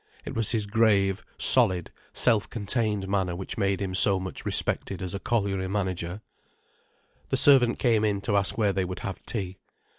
It was his grave, solid, self contained manner which made him so much respected as a colliery manager. The servant came in to ask where they would have tea.